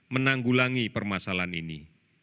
menanggulangi permasalahan ini